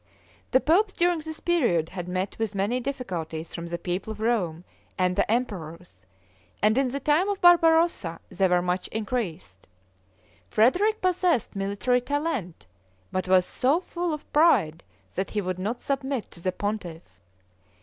The popes during this period had met with many difficulties from the people of Rome and the emperors; and in the time of Barbarossa they were much increased. Frederick possessed military talent, but was so full of pride that he would not submit to the pontiff.